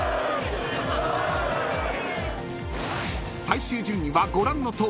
［最終順位はご覧のとおり］